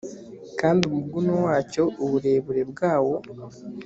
kandi umuguno wacyo uburebure bwawo